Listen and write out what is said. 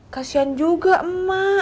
kasihan juga emak